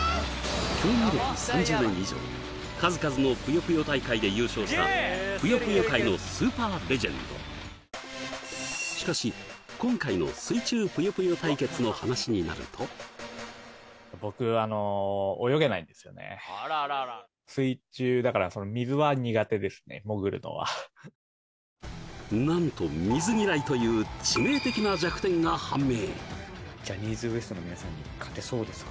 競技歴３０年以上数々のぷよぷよ大会で優勝したぷよぷよ界のスーパーレジェンドしかし今回の水中だからなんと水嫌いという致命的な弱点が判明！